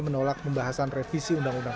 menolak pembahasan revisi undang undang